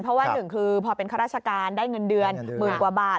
เพราะว่าหนึ่งคือพอเป็นข้าราชการได้เงินเดือนหมื่นกว่าบาท